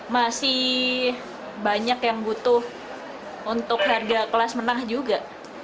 masih banyak yang butuh untuk harga kelas menengah juga